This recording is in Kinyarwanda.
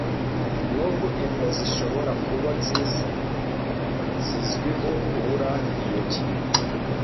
nubwo imbwa zishobora kuba nziza, zizwiho kubura iyo ngingo